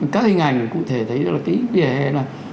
các hình ảnh cụ thể thấy là cái vỉa hè là